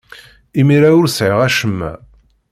Imir-a, ur sriɣ acemma.